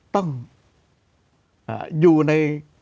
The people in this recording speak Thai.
ต้องอยู่ใน